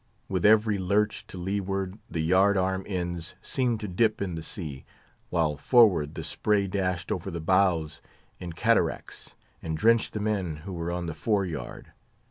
With every lurch to leeward the yard arm ends seemed to dip in the sea, while forward the spray dashed over the bows in cataracts, and drenched the men who were on the fore yard.